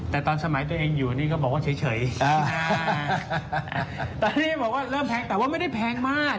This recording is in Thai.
แต่ตอนสมัยตัวเองอยู่นี่ก็บอกว่าเฉยตอนนี้บอกว่าเริ่มแพงแต่ว่าไม่ได้แพงมาก